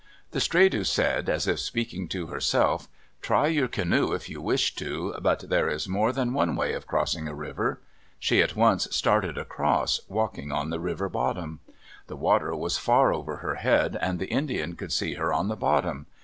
The Stredu said, as if speaking to herself, "Try your canoe if you wish to, but there is more than one way of crossing a river." She at once started across, walking on the river bottom. The water was far over her head, and the Indian could see her on the bottom.